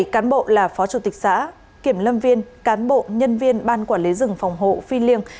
một mươi cán bộ là phó chủ tịch xã kiểm lâm viên cán bộ nhân viên ban quản lý rừng phòng hộ phi liêng